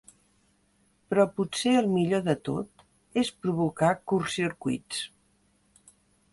Però potser el millor de tot és provocar curtcircuits.